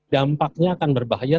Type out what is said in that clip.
dampaknya akan berbahaya